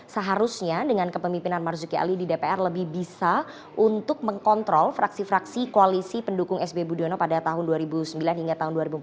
seharusnya dengan kepemimpinan marzuki ali di dpr lebih bisa untuk mengkontrol fraksi fraksi koalisi pendukung sb budiono pada tahun dua ribu sembilan hingga tahun dua ribu empat belas